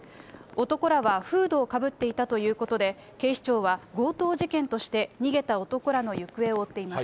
男らはフードをかぶっていたということで、警視庁は強盗事件として逃げた男らの行方を追っています。